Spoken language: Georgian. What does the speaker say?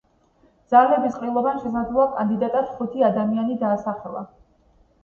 ძალების ყრილობამ შესაძლო კანდიდატად ხუთი ადამიანი დაასახელა.